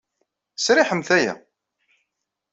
Sriḥemt aya.